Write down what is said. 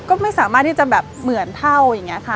ก็ไม่สามารถที่จะแบบเหมือนเท่าอย่างนี้ค่ะ